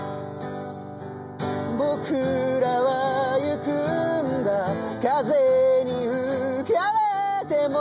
「僕らは行くんだ風に吹かれても」